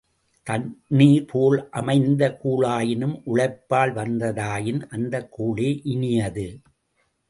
தண்ணீர்போல அமைந்த கூழாயினும் உழைப்பால் வந்ததாயின் அந்தக் கூழே இனியது.